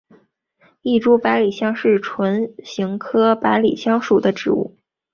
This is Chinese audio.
异株百里香是唇形科百里香属的植物。